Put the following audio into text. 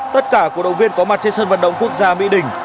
tất cả cổ động viên có mặt trên sân vận động quốc gia mỹ đình